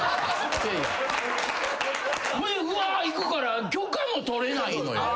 ぐわー行くから許可も取れないのよ。